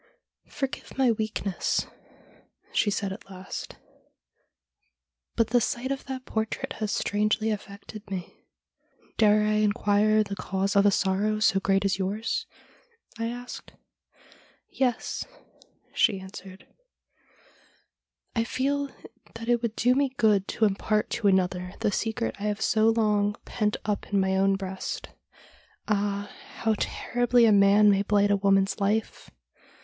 ' Forgive my weakness,' she said at last, ' but the sight of that portrait has strangely affected me.' ' Dare I inquire the cause of a sorrow so great as yours ?' I asked. ' Yes,' she answered, ' I feel that it would do me good to impart to another the secret I have so long pent up in my own breast. Ah, how terribly a man may blight a woman's life